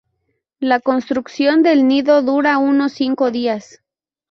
La construcción del nido dura unos cinco días.